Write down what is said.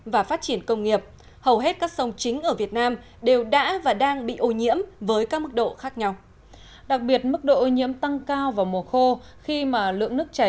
và thật sự nghiêm khắc và ối quả hơn nữa